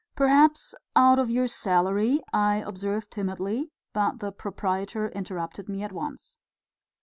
"Perhaps out of your salary...." I observed timidly, but the proprietor interrupted me at once.